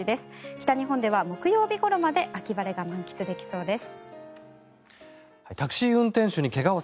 北日本では木曜日ごろまで秋晴れが満喫できそうです。